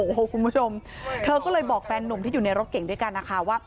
โอ้โหคุณผู้ชมเธอก็เลยบอกแฟนหนุ่มที่อยู่ในรถเก่งด้วยกันนะคะว่า